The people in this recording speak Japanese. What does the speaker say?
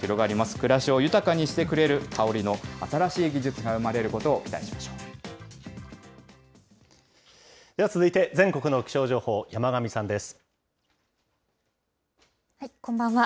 暮らしを豊かにしてくれる、香りの新しい技術が生まれることを期では続いて全国の気象情報、こんばんは。